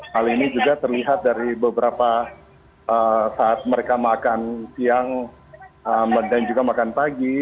hal ini juga terlihat dari beberapa saat mereka makan siang dan juga makan pagi